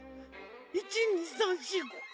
１２３４５６。